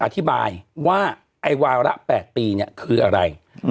อธิบายว่าไอ้วาระ๘ปีเนี่ยคืออะไร